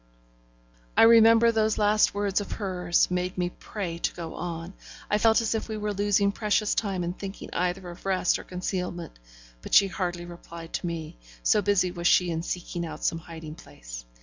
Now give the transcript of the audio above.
I remember those last words of hers made me pray to go on; I felt as if we were losing precious time in thinking either of rest or concealment; but she hardly replied to me, so busy was she in seeking out some hiding place.